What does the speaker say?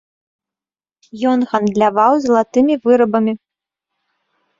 Ён гандляваў залатымі вырабамі.